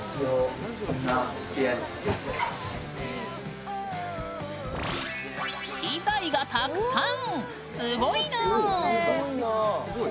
機材がたくさん！